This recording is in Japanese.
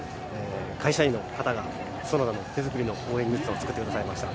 会社員の方が園田の手づくりの応援グッズを作ってくださいました。